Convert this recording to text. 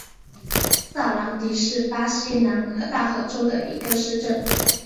萨兰迪是巴西南大河州的一个市镇。